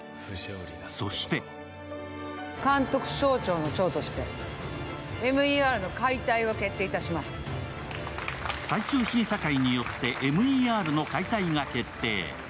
そして最終審査会によってＭＥＲの解体が決定。